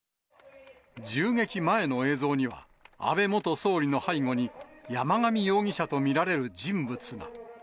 銃撃前の映像には、安倍元総理の背後に山上容疑者と見られる人物が。